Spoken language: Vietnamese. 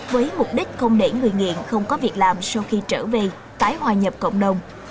với mục đích không để người nghiện không có việc làm sau khi trở về tái hòa nhập cộng đồng